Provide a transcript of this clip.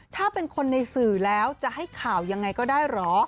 ถ้าเป็นคนในสื่อแล้วจะให้ข่าวยังไงก็ได้เหรอ